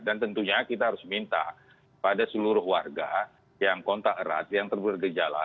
dan tentunya kita harus minta pada seluruh warga yang kontak erat yang terbergejala